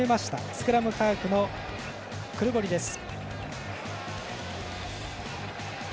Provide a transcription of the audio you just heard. スクラムハーフのクルボリです。